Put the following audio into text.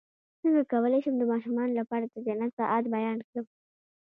څنګه کولی شم د ماشومانو لپاره د جنت ساعت بیان کړم